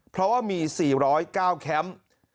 เพราะว่ามี๔๐๙แคมป์